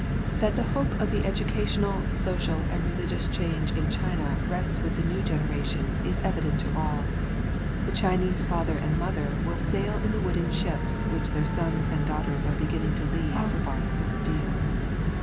That the hope of the educational, social, and religious change in China rests with the new generation is evident to all. The Chinese father and mother will sail in the wooden ships which their sons and daughters are beginning to leave for barks of steel.